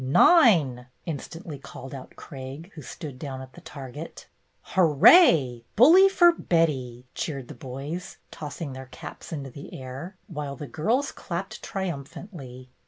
"Ninel" instantly called out Craig, who stood down at the target. "Hooray! Bully for Betty!" cheered the boys, tossing their caps into the air, while the girls clapped triumphantly.